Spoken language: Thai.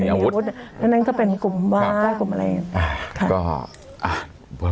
มีอาวุธแล้วนั่นก็เป็นกลุ่มว้ากลุ่มอะไรอย่างนี้